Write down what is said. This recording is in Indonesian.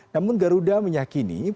namun garuda menyakini prosesnya